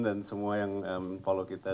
dan semua yang follow kita